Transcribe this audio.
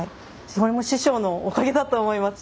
これも師匠のおかげだと思います。